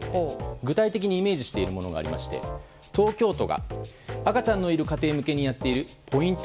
具体的にイメージしているものがありまして東京都が赤ちゃんのいる家庭向けにやっているポイント